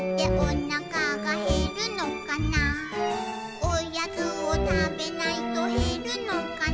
「おやつをたべないとへるのかな」